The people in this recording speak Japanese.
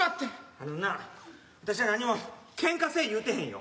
あのな私は何もけんかせぇ言うてへんよ。